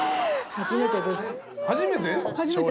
初めてです。